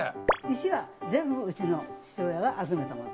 石は全部うちの父親が集めたもの。